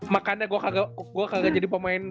makannya gue kagak jadi pemain professional ya